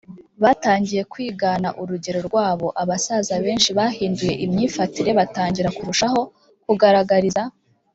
batangiye kwigana urugero rwabo Abasaza benshi bahinduye imyifatire batangira kurushaho kugaragariza